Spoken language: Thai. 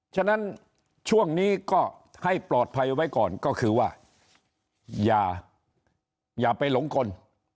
ฉะนั้นช่วงนี้ก็ให้ปลอดภัยไว้ก่อนก็คือว่าอย่าไปหลงกล